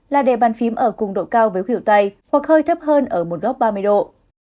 là đề bàn phím ở cùng độ cao với khỉu tay hoặc hơi thấp hơn ở một góc ba mươi độ